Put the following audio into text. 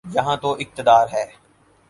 یہاں تو اقتدار ہے۔